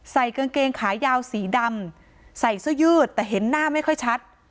กางเกงขายาวสีดำใส่เสื้อยืดแต่เห็นหน้าไม่ค่อยชัด